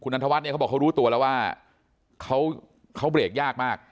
นันทวัฒน์เนี่ยเขาบอกเขารู้ตัวแล้วว่าเขาเบรกยากมาก